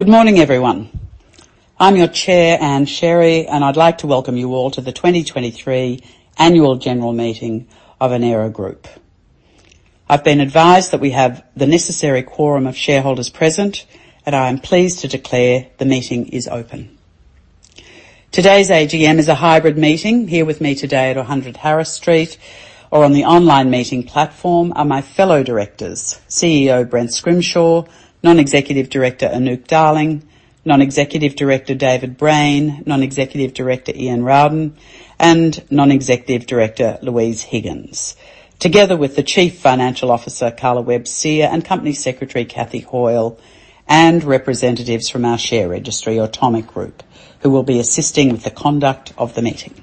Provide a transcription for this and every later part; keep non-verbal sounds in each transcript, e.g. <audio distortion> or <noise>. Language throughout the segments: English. Good morning, everyone. I'm your Chair, Ann Sherry, and I'd like to welcome you all to the 2023 Annual General Meeting of Enero Group. I've been advised that we have the necessary quorum of shareholders present, and I am pleased to declare the meeting is open. Today's AGM is a hybrid meeting. Here with me today at 100 Harris Street or on the online meeting platform are my fellow directors: CEO Brent Scrimshaw, Non-Executive Director Anouk Darling, Non-Executive Director David Brain, Non-Executive Director Ian Rowden, and Non-Executive Director Louise Higgins. Together with the Chief Financial Officer, Carla Webb-Sear, and Company Secretary, Cathy Hoyle, and representatives from our share registry, Automic Group, who will be assisting with the conduct of the meeting.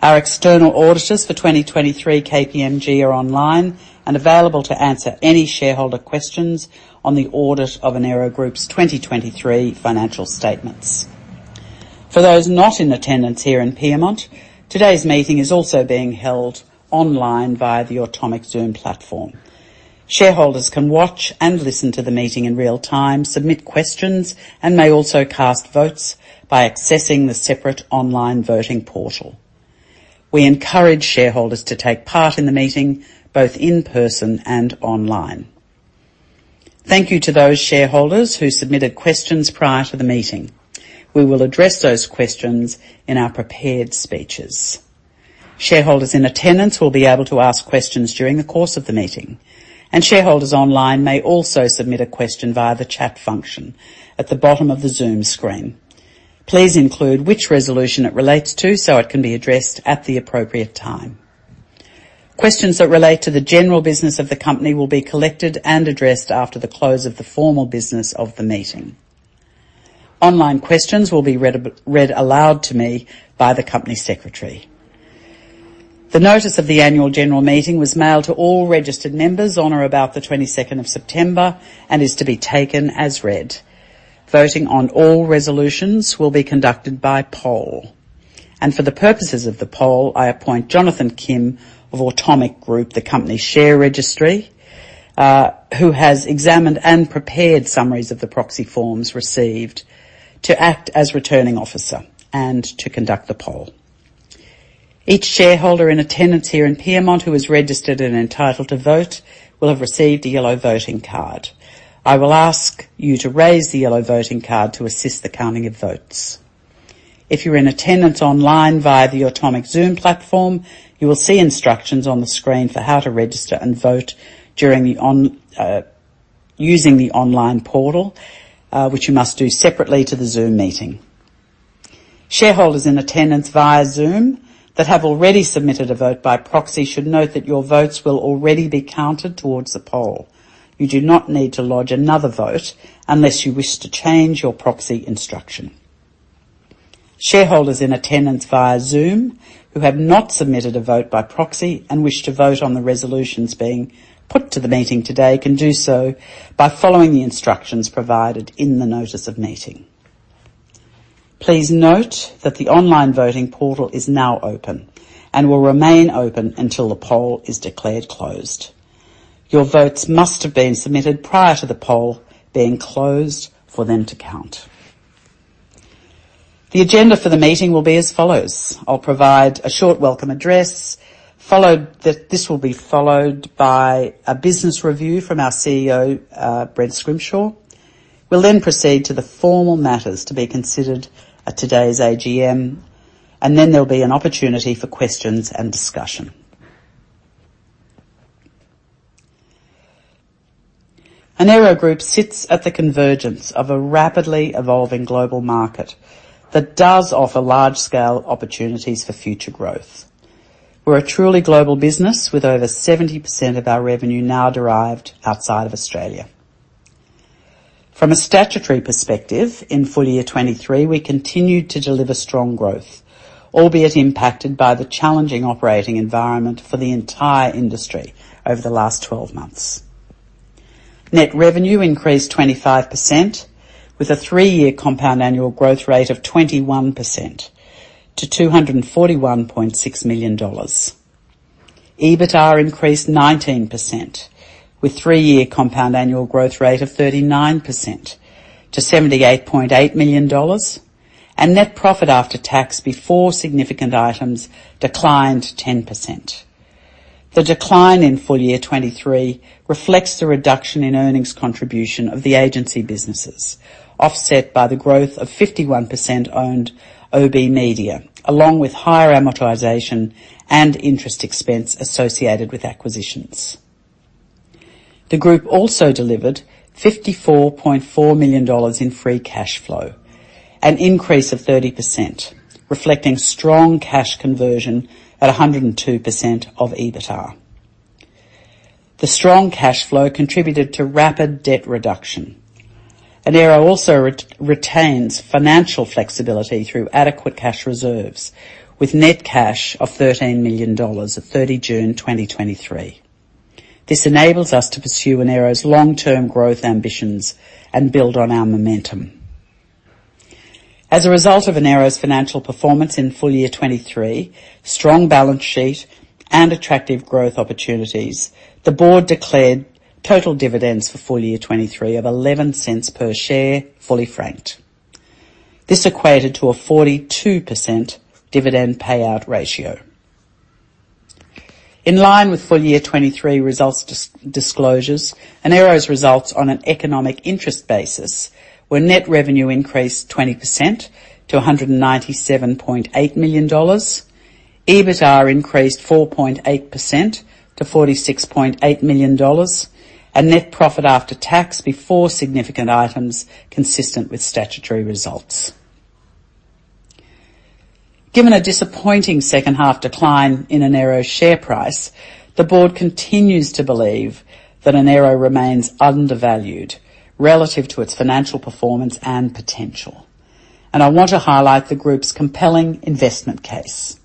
Our external auditors for 2023, KPMG, are online and available to answer any shareholder questions on the audit of Enero Group's 2023 financial statements. For those not in attendance here in Pyrmont, today's meeting is also being held online via the Automic Zoom platform. Shareholders can watch and listen to the meeting in real time, submit questions, and may also cast votes by accessing the separate online voting portal. We encourage shareholders to take part in the meeting, both in person and online. Thank you to those shareholders who submitted questions prior to the meeting. We will address those questions in our prepared speeches. Shareholders in attendance will be able to ask questions during the course of the meeting, and shareholders online may also submit a question via the chat function at the bottom of the Zoom screen. Please include which resolution it relates to so it can be addressed at the appropriate time. Questions that relate to the general business of the company will be collected and addressed after the close of the formal business of the meeting. Online questions will be read, read aloud to me by the Company Secretary. The notice of the Annual General Meeting was mailed to all registered members on or about the 22nd of September and is to be taken as read. Voting on all resolutions will be conducted by poll, and for the purposes of the poll, I appoint Jonathan Kim of Automic Group, the company share registry, who has examined and prepared summaries of the proxy forms received to act as Returning Officer and to conduct the poll. Each shareholder in attendance here in Pyrmont who is registered and entitled to vote will have received a yellow voting card. I will ask you to raise the yellow voting card to assist the counting of votes. If you're in attendance online via the Automic Zoom platform, you will see instructions on the screen for how to register and vote during the on, using the online portal, which you must do separately to the Zoom meeting. Shareholders in attendance via Zoom that have already submitted a vote by proxy should note that your votes will already be counted towards the poll. You do not need to lodge another vote unless you wish to change your proxy instruction. Shareholders in attendance via Zoom, who have not submitted a vote by proxy and wish to vote on the resolutions being put to the meeting today, can do so by following the instructions provided in the notice of meeting. Please note that the online voting portal is now open and will remain open until the poll is declared closed. Your votes must have been submitted prior to the poll being closed for them to count. The agenda for the meeting will be as follows: I'll provide a short welcome address, followed by a business review from our CEO, Brent Scrimshaw. We'll then proceed to the formal matters to be considered at today's AGM, and then there'll be an opportunity for questions and discussion. Enero Group sits at the convergence of a rapidly evolving global market that does offer large-scale opportunities for future growth. We're a truly global business, with over 70% of our revenue now derived outside of Australia. From a statutory perspective, in full year 2023, we continued to deliver strong growth, albeit impacted by the challenging operating environment for the entire industry over the last 12 months. Net revenue increased 25%, with a three-year compound annual growth rate of 21% to AUD 241.6 million. EBITDA increased 19%, with three-year compound annual growth rate of 39% to 78.8 million dollars, and net profit after tax before significant items declined 10%. The decline in full year 2023 reflects the reduction in earnings contribution of the agency businesses, offset by the growth of 51%-owned OBMedia, along with higher amortization and interest expense associated with acquisitions. The group also delivered 54.4 million dollars in free cash flow, an increase of 30%, reflecting strong cash conversion at a 102% of EBITDA. The strong cash flow contributed to rapid debt reduction. Enero also retains financial flexibility through adequate cash reserves with net cash of 13 million dollars at 30 June 2023. This enables us to pursue Enero's long-term growth ambitions and build on our momentum. As a result of Enero's financial performance in full year 2023, strong balance sheet, and attractive growth opportunities, the Board declared total dividends for full year 2023 of 0.11 per share, fully franked. This equated to a 42% dividend payout ratio. In line with full year 2023 results disclosures, Enero's results on an economic interest basis, where net revenue increased 20% to 197.8 million dollars, EBITDA increased 4.8% to 46.8 million dollars, and net profit after tax before significant items consistent with statutory results. Given a disappointing second half decline in Enero's share price, the Board continues to believe that Enero remains undervalued relative to its financial performance and potential, and I want to highlight the group's compelling investment case.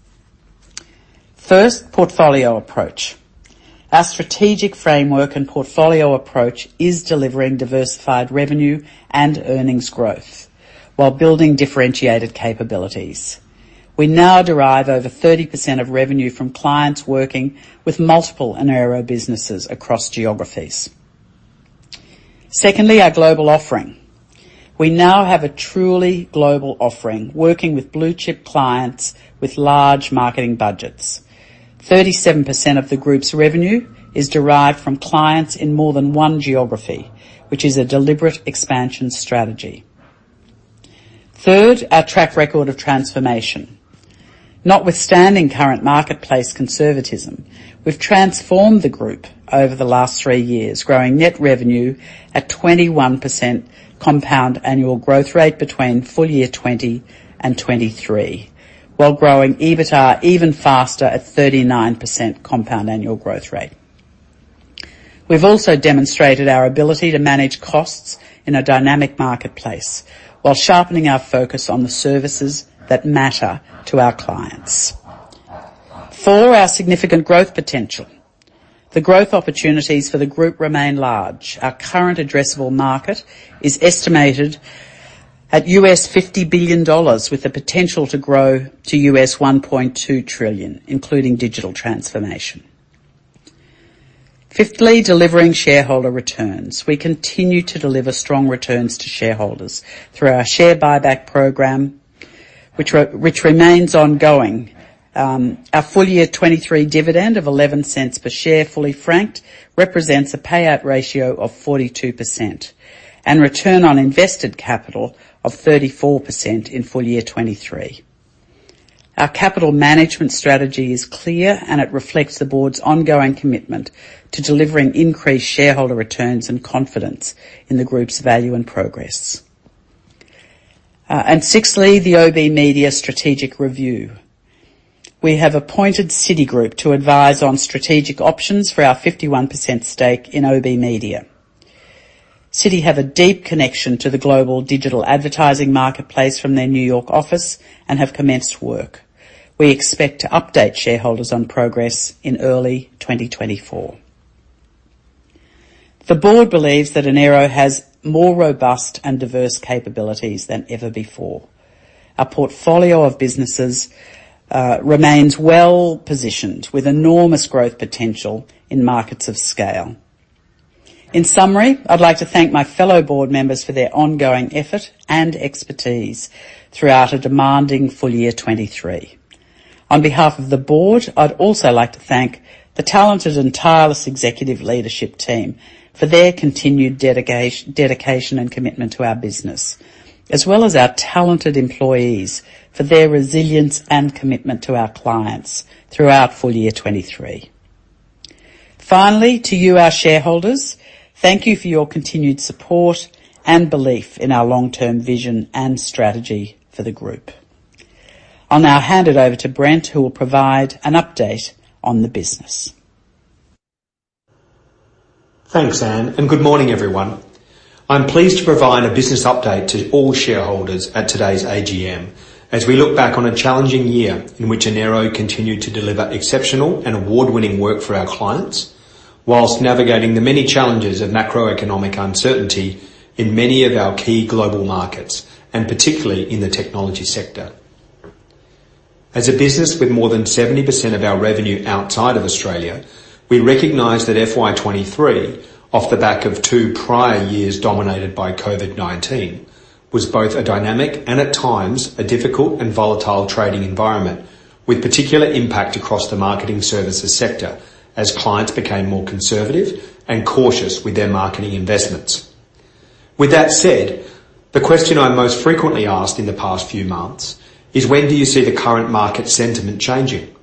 First, portfolio approach. Our strategic framework and portfolio approach is delivering diversified revenue and earnings growth while building differentiated capabilities. We now derive over 30% of revenue from clients working with multiple Enero businesses across geographies. Secondly, our global offering. We now have a truly global offering, working with blue-chip clients with large marketing budgets. 37% of the group's revenue is derived from clients in more than one geography, which is a deliberate expansion strategy. Third, our track record of transformation. Notwithstanding current marketplace conservatism, we've transformed the group over the last three years, growing net revenue at 21% compound annual growth rate between full year 2020 and 2023, while growing EBITDA even faster at 39% compound annual growth rate. We've also demonstrated our ability to manage costs in a dynamic marketplace while sharpening our focus on the services that matter to our clients. Four, our significant growth potential. The growth opportunities for the group remain large. Our current addressable market is estimated at $50 billion, with the potential to grow to $1.2 trillion, including digital transformation. Fifthly, delivering shareholder returns. We continue to deliver strong returns to shareholders through our share buyback program, which remains ongoing. Our full year 2023 dividend of 0.11 per share, fully franked, represents a payout ratio of 42% and return on invested capital of 34% in full year 2023. Our capital management strategy is clear, and it reflects the Board's ongoing commitment to delivering increased shareholder returns and confidence in the group's value and progress. And sixthly, the OBMedia strategic review. We have appointed Citigroup to advise on strategic options for our 51% stake in OBMedia. Citi have a deep connection to the global digital advertising marketplace from their New York office and have commenced work. We expect to update shareholders on progress in early 2024. The Board believes that Enero has more robust and diverse capabilities than ever before. Our portfolio of businesses remains well positioned with enormous growth potential in markets of scale. In summary, I'd like to thank my fellow Board members for their ongoing effort and expertise throughout a demanding full year 2023. On behalf of the Board, I'd also like to thank the talented and tireless executive leadership team for their continued dedication and commitment to our business, as well as our talented employees for their resilience and commitment to our clients throughout full year 2023. Finally, to you, our shareholders, thank you for your continued support and belief in our long-term vision and strategy for the group. I'll now hand it over to Brent, who will provide an update on the business. Thanks, Ann, and good morning, everyone. I'm pleased to provide a business update to all shareholders at today's AGM as we look back on a challenging year in which Enero continued to deliver exceptional and award-winning work for our clients, while navigating the many challenges of macroeconomic uncertainty in many of our key global markets, and particularly in the technology sector. As a business with more than 70% of our revenue outside of Australia, we recognize that FY 2023, off the back of two prior years dominated by COVID-19, was both a dynamic and at times, a difficult and volatile trading environment, with particular impact across the marketing services sector as clients became more conservative and cautious with their marketing investments. With that said, the question I'm most frequently asked in the past few months is: When do you see the current market sentiment changing?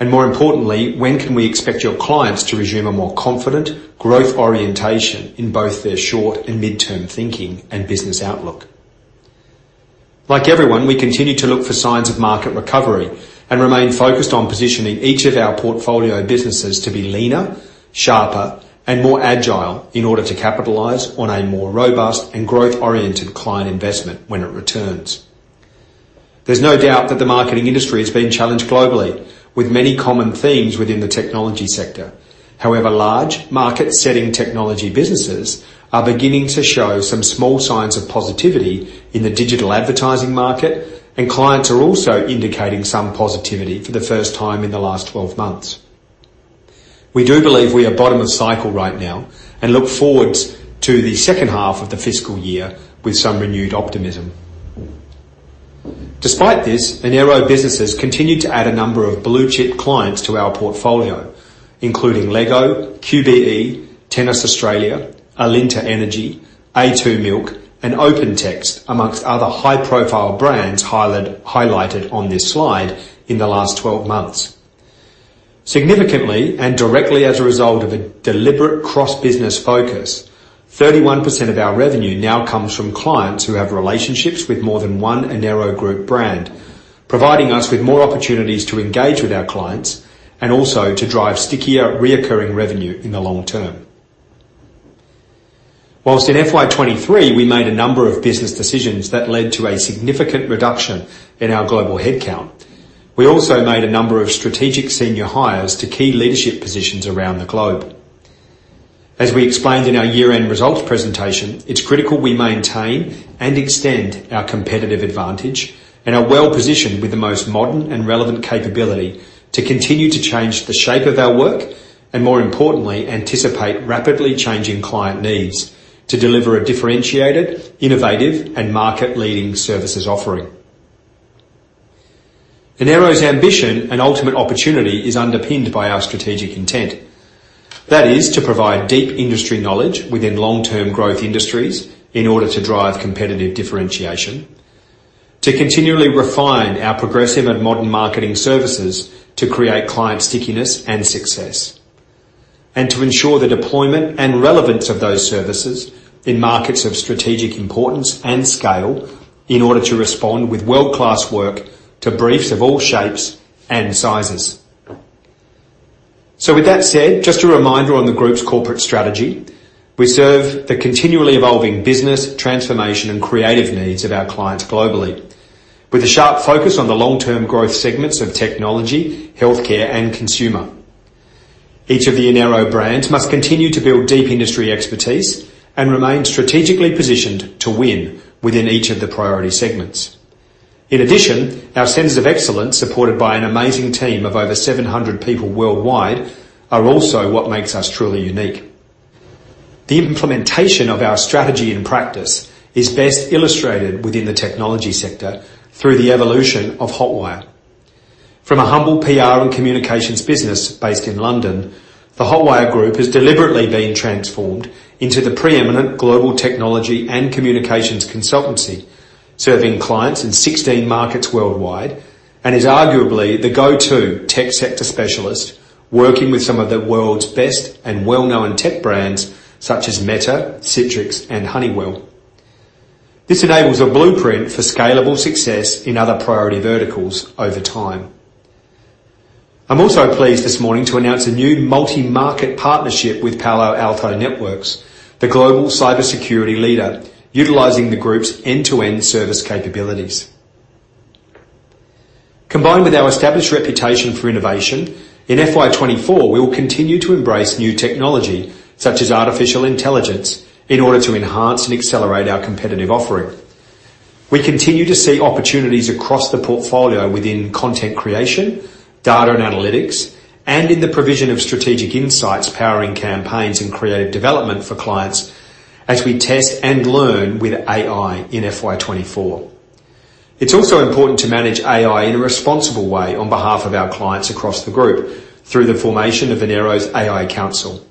More importantly, when can we expect your clients to resume a more confident growth orientation in both their short and midterm thinking and business outlook? Like everyone, we continue to look for signs of market recovery and remain focused on positioning each of our portfolio businesses to be leaner, sharper, and more agile in order to capitalize on a more robust and growth-oriented client investment when it returns. There's no doubt that the marketing industry is being challenged globally, with many common themes within the technology sector. However, large market-setting technology businesses are beginning to show some small signs of positivity in the digital advertising market, and clients are also indicating some positivity for the first time in the last 12 months. We do believe we are bottom of cycle right now, and look forward to the second half of the fiscal year with some renewed optimism. Despite this, Enero businesses continued to add a number of blue-chip clients to our portfolio, including LEGO, QBE, Tennis Australia, Alinta Energy, a2 Milk, and OpenText, among other high-profile brands highlighted on this slide in the last 12 months. Significantly, and directly as a result of a deliberate cross-business focus, 31% of our revenue now comes from clients who have relationships with more than one Enero Group brand, providing us with more opportunities to engage with our clients and also to drive stickier recurring revenue in the long term. While in FY 2023, we made a number of business decisions that led to a significant reduction in our global headcount, we also made a number of strategic senior hires to key leadership positions around the globe. As we explained in our year-end results presentation, it's critical we maintain and extend our competitive advantage and are well-positioned with the most modern and relevant capability to continue to change the shape of our work, and more importantly, anticipate rapidly changing client needs to deliver a differentiated, innovative and market-leading services offering. Enero's ambition and ultimate opportunity is underpinned by our strategic intent. That is, to provide deep industry knowledge within long-term growth industries in order to drive competitive differentiation, to continually refine our progressive and modern marketing services to create client stickiness and success, and to ensure the deployment and relevance of those services in markets of strategic importance and scale, in order to respond with world-class work to briefs of all shapes and sizes. With that said, just a reminder on the group's corporate strategy. We serve the continually evolving business, transformation, and creative needs of our clients globally, with a sharp focus on the long-term growth segments of technology, healthcare, and consumer. Each of the Enero brands must continue to build deep industry expertise and remain strategically positioned to win within each of the priority segments. In addition, our centers of excellence, supported by an amazing team of over 700 people worldwide, are also what makes us truly unique. The implementation of our strategy and practice is best illustrated within the technology sector through the evolution of Hotwire. From a humble PR and communications business based in London, the Hotwire Group has deliberately been transformed into the preeminent global technology and communications consultancy, serving clients in 16 markets worldwide, and is arguably the go-to tech sector specialist, working with some of the world's best and well-known tech brands such as Meta, Citrix, and Honeywell. This enables a blueprint for scalable success in other priority verticals over time. I'm also pleased, this morning, to announce a new multi-market partnership with Palo Alto Networks, the global cybersecurity leader, utilizing the group's end-to-end service capabilities. Combined with our established reputation for innovation, in FY 2024, we will continue to embrace new technology, such as artificial intelligence, in order to enhance and accelerate our competitive offering. We continue to see opportunities across the portfolio within content creation, data and analytics, and in the provision of strategic insights, powering campaigns and creative development for clients as we test and learn with AI in FY 2024. It's also important to manage AI in a responsible way on behalf of our clients across the group through the formation of Enero's AI Council.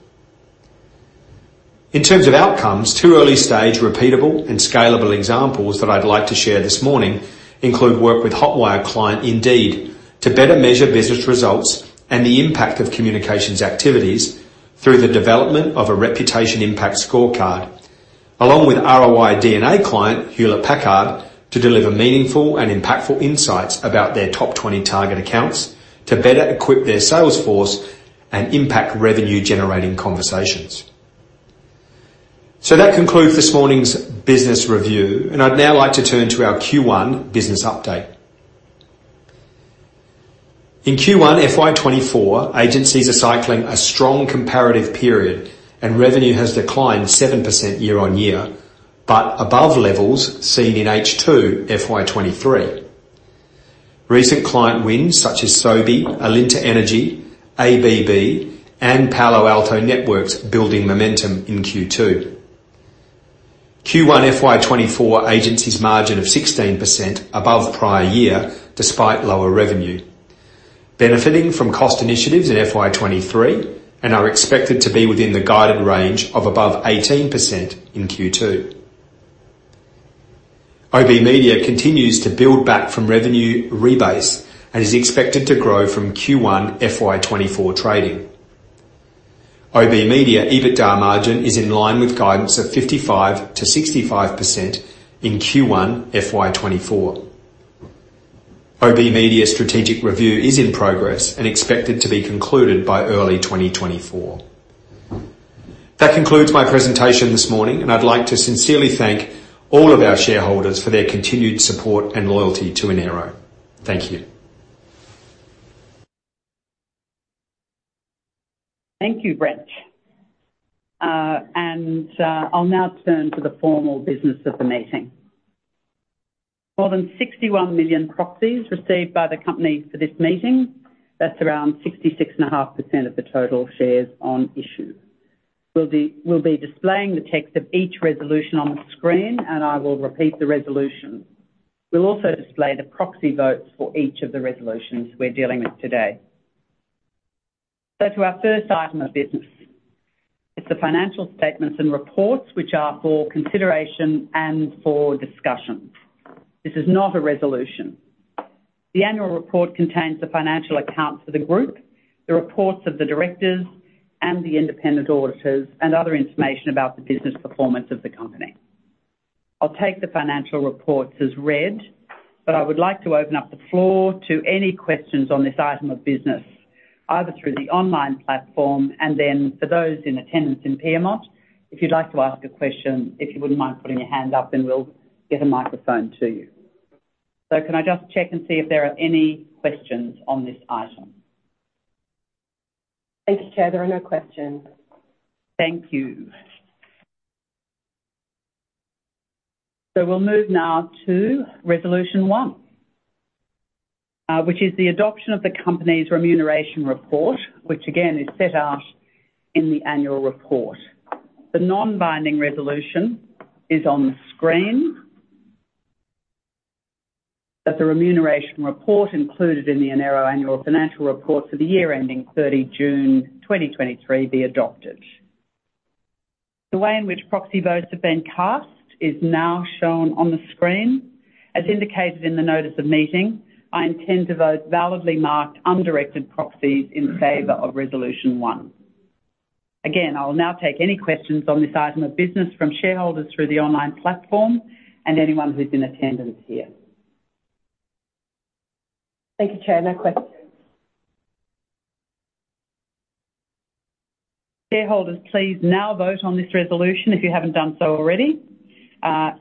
In terms of outcomes, two early-stage, repeatable and scalable examples that I'd like to share this morning include work with Hotwire client, Indeed, to better measure business results and the impact of communications activities through the development of a reputation impact scorecard, along with ROI DNA client, Hewlett-Packard, to deliver meaningful and impactful insights about their top 20 target accounts to better equip their sales force and impact revenue-generating conversations. So that concludes this morning's business review, and I'd now like to turn to our Q1 business update. In Q1 FY 2024, agencies are cycling a strong comparative period, and revenue has declined 7% year-on-year, but above levels seen in H2 FY 2023. Recent client wins such as Sobi, Alinta Energy, ABB, and Palo Alto Networks, building momentum in Q2. Q1 FY 2024 agencies margin of 16% above prior year, despite lower revenue. Benefiting from cost initiatives in FY 2023 and are expected to be within the guided range of above 18% in Q2. OBMedia continues to build back from revenue rebase and is expected to grow from Q1 FY 2024 trading. OBMedia EBITDA margin is in line with guidance of 55%-65% in Q1 FY 2024. OBMedia strategic review is in progress and expected to be concluded by early 2024. That concludes my presentation this morning, and I'd like to sincerely thank all of our shareholders for their continued support and loyalty to Enero. Thank you. Thank you, Brent. And I'll now turn to the formal business of the meeting. More than 61 million proxies received by the company for this meeting. That's around 66.5% of the total shares on issue. We'll be displaying the text of each resolution on the screen, and I will repeat the resolution. We'll also display the proxy votes for each of the resolutions we're dealing with today. So to our first item of business. It's the financial statements and reports which are for consideration and for discussion. This is not a resolution. The annual report contains the financial accounts for the group, the reports of the directors, and the independent auditors, and other information about the business performance of the company. I'll take the financial reports as read, but I would like to open up the floor to any questions on this item of business, either through the online platform and then for those in attendance in Pyrmont, if you'd like to ask a question, if you wouldn't mind putting your hand up, then we'll get a microphone to you. So can I just check and see if there are any questions on this item? Thank you, Chair. There are no questions. Thank you. So we'll move now to Resolution 1, which is the adoption of the company's remuneration report, which again is set out in the annual report. The non-binding resolution is on the screen. That the remuneration report included in the Enero annual financial report for the year ending 30 June 2023 be adopted. The way in which proxy votes have been cast is now shown on the screen. As indicated in the notice of meeting, I intend to vote validly marked, undirected proxies in favor of Resolution 1. Again, I will now take any questions on this item of business from shareholders through the online platform and anyone who's in attendance here. Thank you, Chair. No questions. Shareholders, please now vote on this resolution if you haven't done so already. I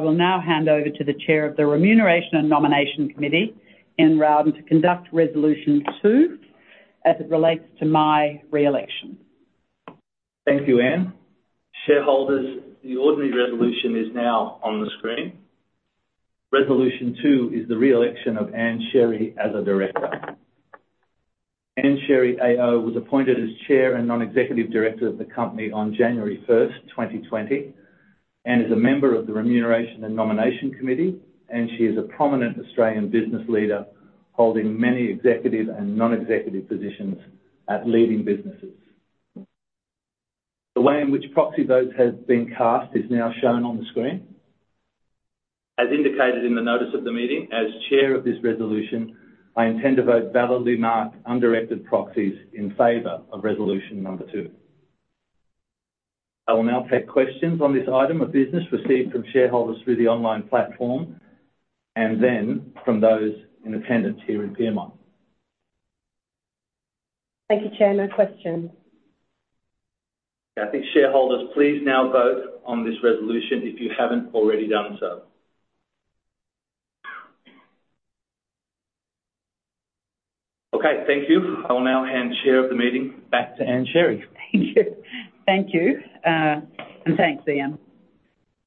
will now hand over to the Chair of the Remuneration and Nomination Committee, Ian Rowden, to conduct Resolution 2 as it relates to my re-election. Thank you, Ann. Shareholders, the ordinary resolution is now on the screen. Resolution 2 is the re-election of Ann Sherry as a Director. Ann Sherry AO was appointed as Chair and Non-Executive Director of the company on January 1st, 2020, and is a member of the Remuneration and Nomination Committee, and she is a prominent Australian business leader, holding many executive and non-executive positions at leading businesses. The way in which proxy votes have been cast is now shown on the screen. As indicated in the notice of the meeting, as chair of this resolution, I intend to vote validly marked, undirected proxies in favor of Resolution 2. I will now take questions on this item of business received from shareholders through the online platform, and then from those in attendance here in Pyrmont. Thank you, Chair. No questions. I think, shareholders, please now vote on this resolution if you haven't already done so. Okay, thank you. I will now hand chair of the meeting back to Ann Sherry. Thank you. Thank you, and thanks, Ian,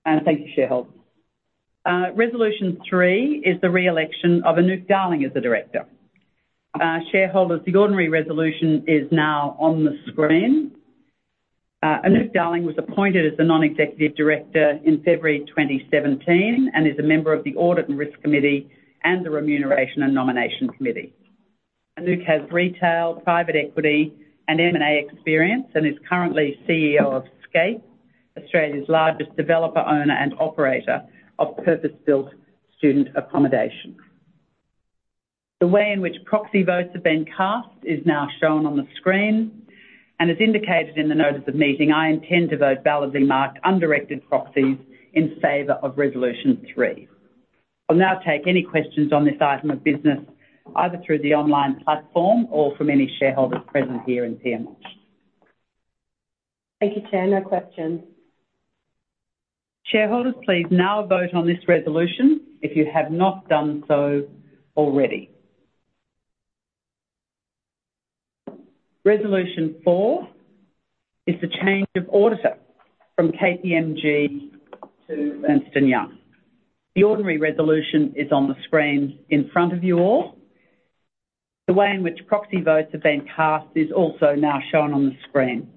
and thank you, shareholders. Resolution 3 is the re-election of Anouk Darling as a Director. Shareholders, the ordinary resolution is now on the screen. Anouk Darling was appointed as a Non-Executive Director in February 2017 and is a member of the Audit and Risk Committee and the Remuneration and Nomination Committee. Anouk has retail, private equity, and M&A experience and is currently CEO of Scape, Australia's largest developer, owner, and operator of purpose-built student accommodation. The way in which proxy votes have been cast is now shown on the screen, and as indicated in the notice of meeting, I intend to vote validly marked, undirected proxies in favor of Resolution 3. I'll now take any questions on this item of business, either through the online platform or from any shareholders present here in Pyrmont. Thank you, Chair. No questions. Shareholders, please now vote on this resolution if you have not done so already. Resolution 4 is the change of auditor from KPMG to Ernst & Young. The ordinary resolution is on the screen in front of you all. The way in which proxy votes have been cast is also now shown on the screen.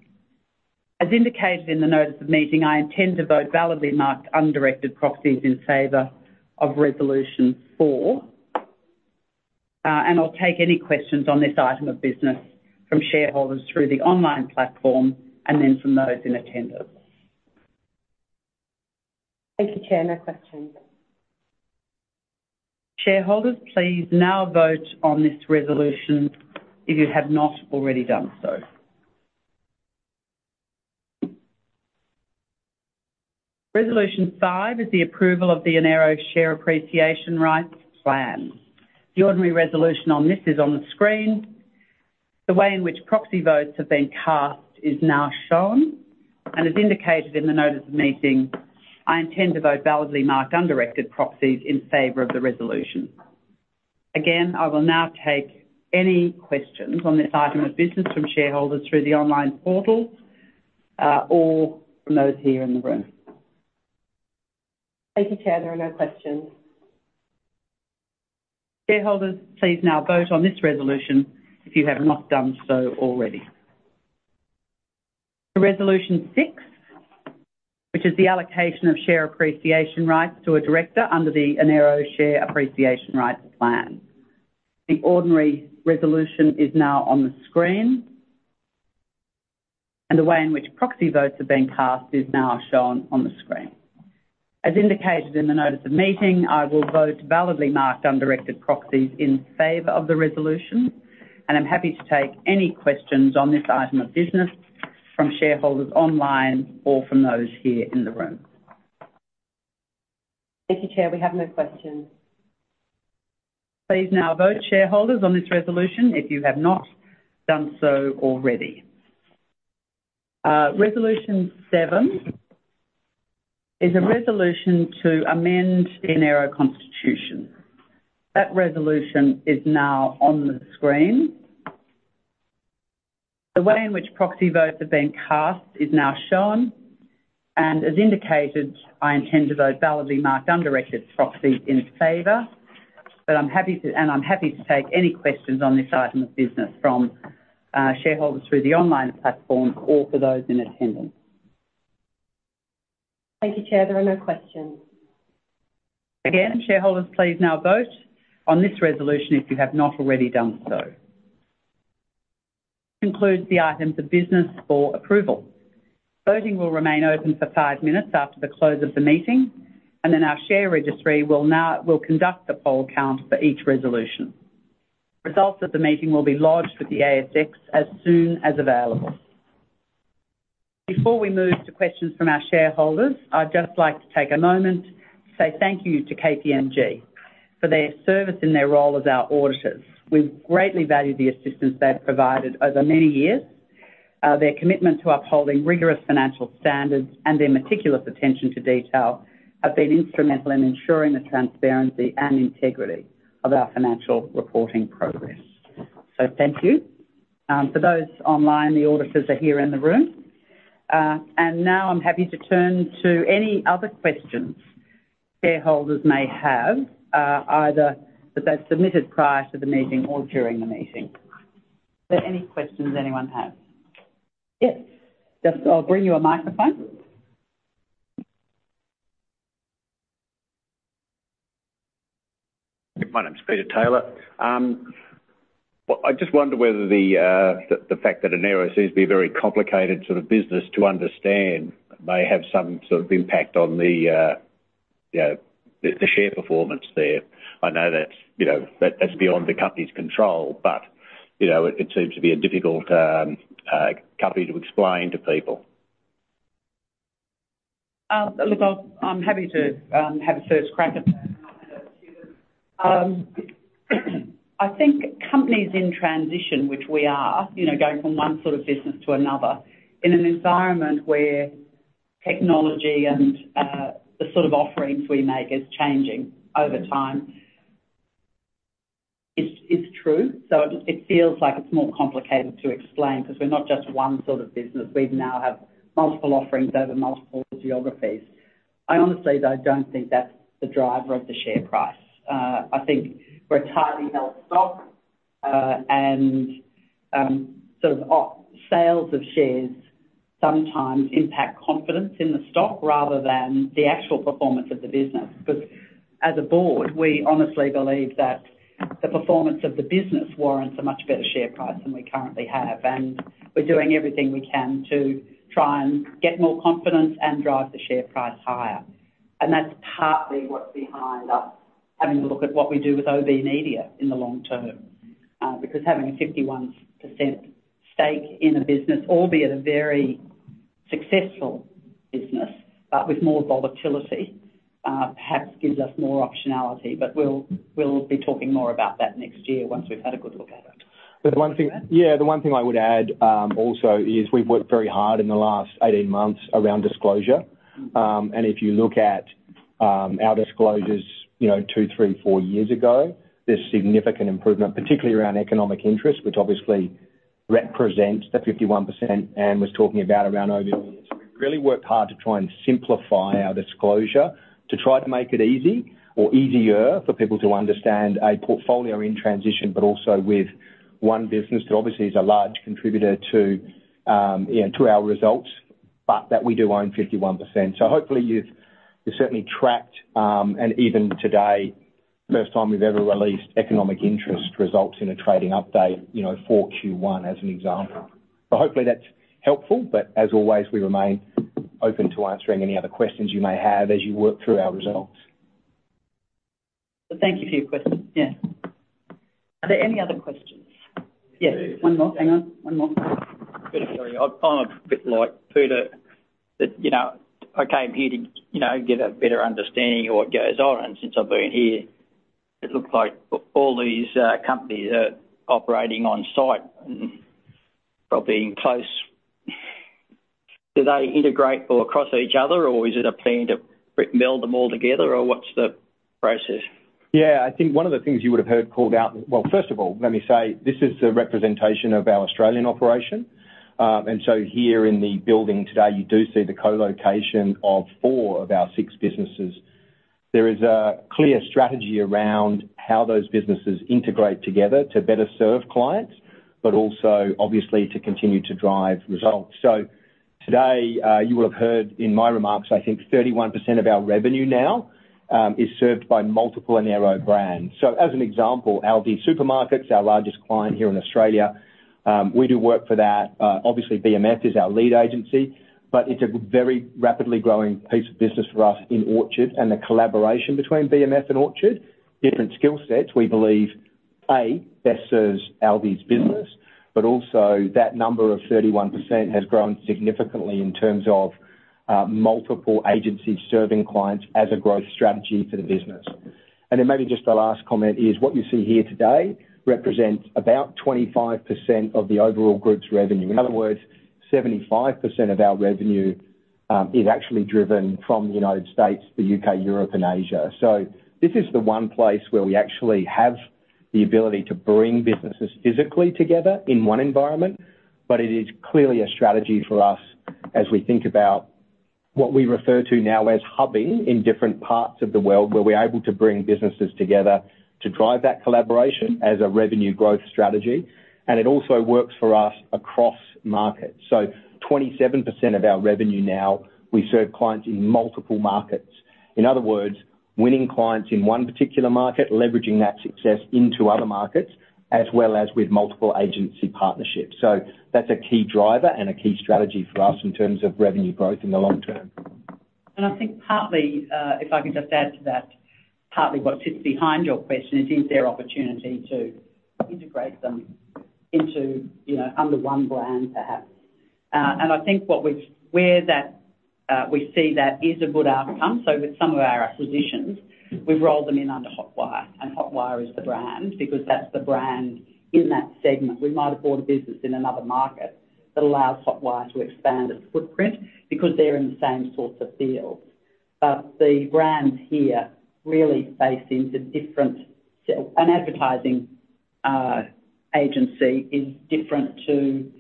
As indicated in the notice of meeting, I intend to vote validly marked, undirected proxies in favor of Resolution 4, and I'll take any questions on this item of business from shareholders through the online platform and then from those in attendance. Thank you, Chair. No questions. Shareholders, please now vote on this resolution if you have not already done so. Resolution 5 is the approval of the Enero Share Appreciation Rights Plan. The ordinary resolution on this is on the screen. The way in which proxy votes have been cast is now shown, and as indicated in the notice of meeting, I intend to vote validly marked undirected proxies in favor of the resolution. Again, I will now take any questions on this item of business from shareholders through the online portal, or from those here in the room. Thank you, Chair. There are no questions. Shareholders, please now vote on this resolution if you have not done so already. To Resolution 6, which is the allocation of share appreciation rights to a director under the Enero Share Appreciation Rights Plan. The ordinary resolution is now on the screen, and the way in which proxy votes have been cast is now shown on the screen. As indicated in the notice of meeting, I will vote validly marked undirected proxies in favor of the resolution, and I'm happy to take any questions on this item of business from shareholders online or from those here in the room. Thank you, Chair. We have no questions. Please now vote, shareholders, on this resolution if you have not done so already. Resolution 7 is a resolution to amend the Enero Constitution. That resolution is now on the screen. The way in which proxy votes have been cast is now shown, and as indicated, I intend to vote validly marked undirected proxies in favor. But I'm happy to take any questions on this item of business from shareholders through the online platform or for those in attendance. Thank you, Chair. There are no questions. Again, shareholders, please now vote on this resolution if you have not already done so. Concludes the items of business for approval. Voting will remain open for five minutes after the close of the meeting, and then our share registry will conduct a poll count for each resolution. Results of the meeting will be lodged with the ASX as soon as available. Before we move to questions from our shareholders, I'd just like to take a moment to say thank you to KPMG for their service and their role as our auditors. We've greatly valued the assistance they've provided over many years. Their commitment to upholding rigorous financial standards and their meticulous attention to detail have been instrumental in ensuring the transparency and integrity of our financial reporting progress. So thank you. For those online, the auditors are here in the room, and now I'm happy to turn to any other questions shareholders may have, either that they've submitted prior to the meeting or during the meeting. Are there any questions anyone has? Yes. Just I'll bring you a microphone. My name is Peter Taylor. Well, I just wonder whether the fact that Enero seems to be a very complicated sort of business to understand may have some sort of impact on the, you know, the share performance there. I know that, you know, that that's beyond the company's control, but, you know, it seems to be a difficult company to explain to people. Look, I'm happy to have a first crack at that. I think companies in transition, which we are, you know, going from one sort of business to another, in an environment where technology and the sort of offerings we make is changing over time, is true. So it feels like it's more complicated to explain because we're not just one sort of business. We now have multiple offerings over multiple geographies. I honestly, though, don't think that's the driver of the share price. I think we're a tightly held stock, and sort of off sales of shares sometimes impact confidence in the stock rather than the actual performance of the business. But as a Board, we honestly believe that the performance of the business warrants a much better share price than we currently have, and we're doing everything we can to try and get more confidence and drive the share price higher. And that's partly what's behind us having to look at what we do with OBMedia in the long term, because having a 51% stake in a business, albeit a very successful business, but with more volatility, perhaps gives us more optionality. But we'll, we'll be talking more about that next year once we've had a good look at it. But the one thing, yeah, the one thing I would add, also is we've worked very hard in the last 18 months around disclosure. And if you look at our disclosures, you know, two, three, four years ago, there's significant improvement, particularly around economic interest, which obviously represents the 51% Ann was talking about around OB. We've really worked hard to try and simplify our disclosure, to try to make it easy or easier for people to understand a portfolio in transition, but also with one business that obviously is a large contributor to, you know, to our results, but that we do own 51%. So hopefully, you've certainly tracked, and even today, first time we've ever released economic interest results in a trading update, you know, for Q1 as an example. Hopefully that's helpful, but as always, we remain open to answering any other questions you may have as you work through our results. Thank you for your question. Yeah. Are there any other questions? Yes, one more. Hang on, one more. Sorry, I'm a bit like Peter. You know, I came here to get a better understanding of what goes on, and since I've been here, it looks like all these companies are operating on-site and probably in close. Do they integrate across each other, or is it a plan to meld them all together, or what's the process? Yeah, I think one of the things you would have heard called out. Well, first of all, let me say, this is a representation of our Australian operation. And so here in the building today, you do see the co-location of four of our six businesses. There is a clear strategy around how those businesses integrate together to better serve clients, but also obviously, to continue to drive results. So today, you will have heard in my remarks, I think 31% of our revenue now is served by multiple and narrow brands. So as an example, Aldi Supermarkets, our largest client here in Australia, we do work for that. Obviously, BMF is our lead agency, but it's a very rapidly growing piece of business for us in Orchard, and the collaboration between BMF and Orchard, different skill sets, we believe, A, best serves Aldi's business, but also that number of 31% has grown significantly in terms of, multiple agencies serving clients as a growth strategy for the business. And then maybe just the last comment is, what you see here today represents about 25% of the overall group's revenue. In other words, 75% of our revenue is actually driven from the United States, the U.K., Europe, and Asia. So this is the one place where we actually have the ability to bring businesses physically together in one environment, but it is clearly a strategy for us as we think about what we refer to now as hubbing in different parts of the world, where we're able to bring businesses together to drive that collaboration as a revenue growth strategy. And it also works for us across markets. So 27% of our revenue now, we serve clients in multiple markets. In other words, winning clients in one particular market, leveraging that success into other markets, as well as with multiple agency partnerships. So that's a key driver and a key strategy for us in terms of revenue growth in the long term. And I think partly, if I could just add to that, partly what sits behind your question is, is there opportunity to integrate them into, you know, under one brand, perhaps? And I think what we've, where that, we see that is a good outcome, so with some of our acquisitions, we've rolled them in under Hotwire, and Hotwire is the brand because that's the brand in that segment. We might have bought a business in another market that allows Hotwire to expand its footprint because they're in the same sorts of fields. But the brands here really face into different, an advertising agency is different to,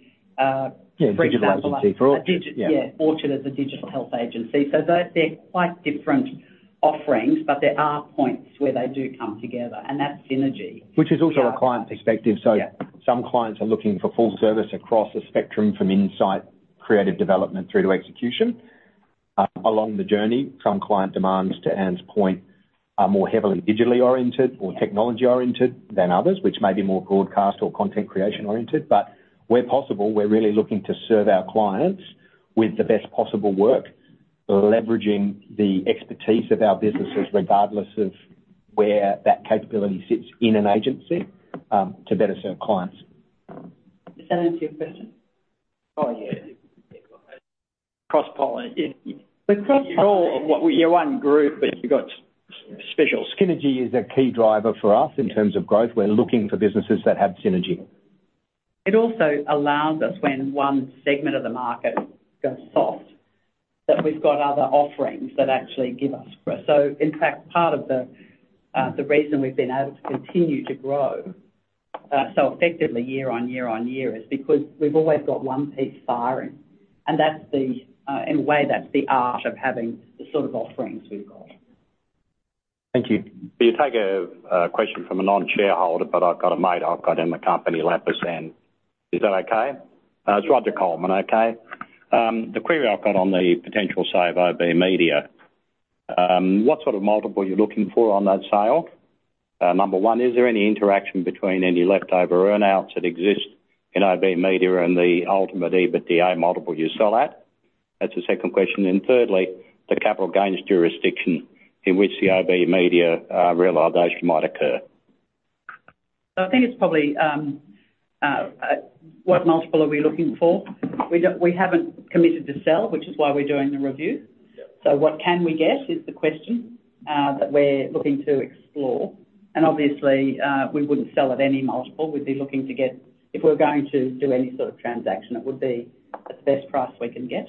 for example. Yeah, digital agency for Orchard. Yeah, Orchard is a digital health agency. So those, they're quite different offerings, but there are points where they do come together, and that's synergy. Which is also a client perspective. Yeah. Some clients are looking for full service across the spectrum, from insight, creative development, through to execution. Along the journey, some client demands, to Ann's point, are more heavily digitally oriented or technology-oriented than others, which may be more broadcast or content creation oriented. But where possible, we're really looking to serve our clients with the best possible work, leveraging the expertise of our businesses, regardless of where that capability sits in an agency, to better serve clients. Does that answer your question? Oh, yeah. Cross-pollen. The cross. You're all, what, you're one group, but you've got special. Synergy is a key driver for us in terms of growth. We're looking for businesses that have synergy. It also allows us, when one segment of the market goes soft, that we've got other offerings that actually give us growth. So in fact, part of the, the reason we've been able to continue to grow, so effectively year on year on year, is because we've always got one piece firing. And that's the, in a way, that's the art of having the sort of offerings we've got. Thank you. Will you take a question from a non-shareholder, but I've got a mate I've got in the company, [Lapus], and is that okay? It's [Roger Coleman]. Okay. The query I've got on the potential sale of OBMedia, what sort of multiple are you looking for on that sale? Number one, is there any interaction between any leftover earn-outs that exist in OBMedia and the ultimate EBITDA multiple you sell at? That's the second question. Then thirdly, the capital gains jurisdiction in which the OBMedia realization might occur. I think it's probably what multiple are we looking for? We haven't committed to sell, which is why we're doing the review. Yeah. So what can we get is the question that we're looking to explore. Obviously, we wouldn't sell at any multiple. We'd be looking to get. If we're going to do any sort of transaction, it would be at the best price we can get.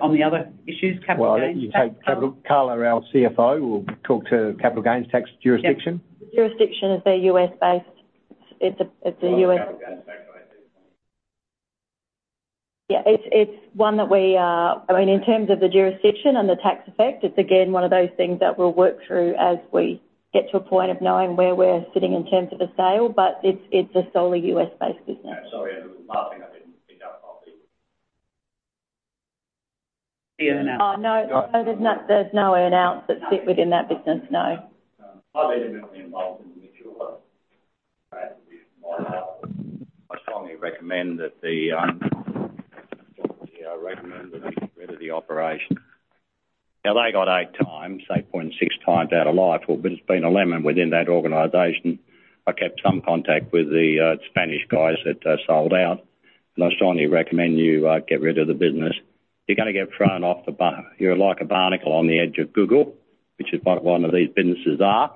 On the other issues, capital gains. Well, you take Carla, our CFO, will talk to capital gains tax jurisdiction. Yeah. Jurisdiction is a U.S.-based. It's a U.S. Capital gains tax. Yeah, it's one that we are, I mean, in terms of the jurisdiction and the tax effect, it's again one of those things that we'll work through as we get to a point of knowing where we're sitting in terms of a sale, but it's a solely U.S.-based business. Sorry, the last thing I didn't pick up properly. The earn-out. Oh, no, there's not. There's no earn-outs that sit within that business, no. I've been involved in the deal. I strongly recommend that we get rid of the operation. Now, they got 8x, 8.6x out of [audio distorion], but it's been a lemon within that organization. I kept some contact with the Spanish guys that sold out, and I strongly recommend you get rid of the business. You're gonna get thrown off the bar. You're like a barnacle on the edge of Google, which is what one of these businesses are,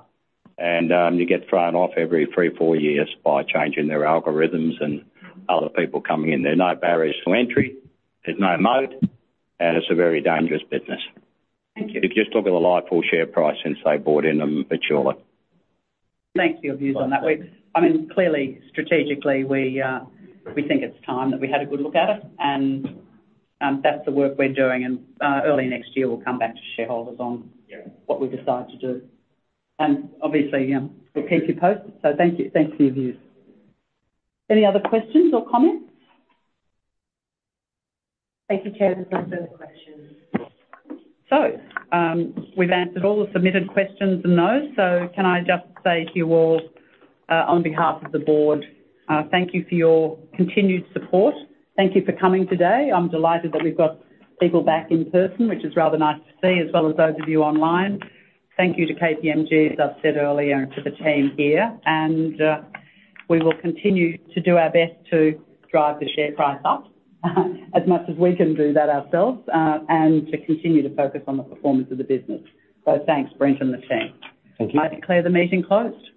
and you get thrown off every three, four years by changing their algorithms and other people coming in. There are no barriers to entry, there's no moat, and it's a very dangerous business. Thank you. If you just look at the <audio distortion> share price since they bought in them, virtually. Thanks for your views on that. We've I mean, clearly, strategically, we we think it's time that we had a good look at it, and that's the work we're doing. And early next year, we'll come back to shareholders on. Yeah. What we decide to do. Obviously, we'll keep you posted. Thank you. Thanks for your views. Any other questions or comments? Thank you, Chair, there are no further questions. We've answered all the submitted questions and those. Can I just say to you all, on behalf of the Board, thank you for your continued support. Thank you for coming today. I'm delighted that we've got people back in person, which is rather nice to see, as well as those of you online. Thank you to KPMG, as I've said earlier, to the team here, and we will continue to do our best to drive the share price up, as much as we can do that ourselves, and to continue to focus on the performance of the business. Thanks, Brent and the team. Thank you. I declare the meeting closed.